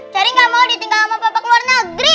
jerry gak mau ditinggal sama papa ke luar negeri